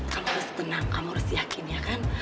kamu harus tenang kamu harus yakin ya kan